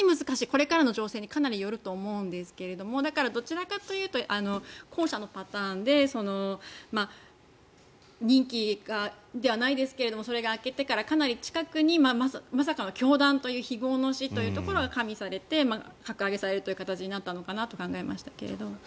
これからの情勢にかなりよると思うんですがだからどちらかというと後者のパターンで任期ではないですがそれが明けてからかなり近くにまさかの凶弾という非業の死というところが加味されて格上げされる形になったのかなと考えましたけど。